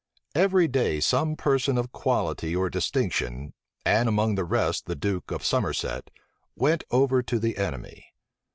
Every day some person of quality or distinction, and among the rest the duke of Somerset, went over to the enemy.